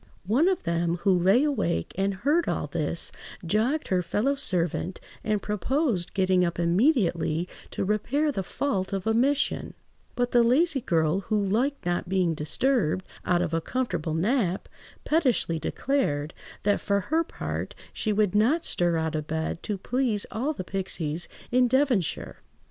One of them, who lay awake and heard all this, jogged her fellow–servant, and proposed getting up immediately to repair the fault of omission; but the lazy girl, who liked not being disturbed out of a comfortable nap, pettishly declared "That, for her part, she would not stir out of bed to please all the pixies in Devonshire."